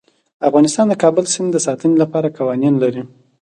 افغانستان د کابل سیند د ساتنې لپاره قوانین لري.